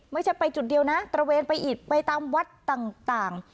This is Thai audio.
ไม่ใช่ไปจุดเดียวนะตระเวนไปอีกไปตามวัดต่าง